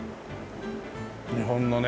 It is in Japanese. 日本のね